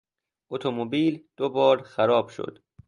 اتومبیل دوبار خراب شد.